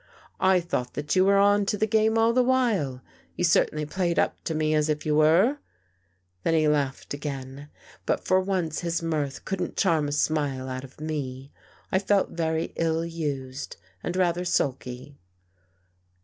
I thought that you were on to the game all the while. You certainly played up to me as if you were." Then he laughed again. But for once his mirth couldn't charm a smile out of me. I felt very ill used and rather sulky.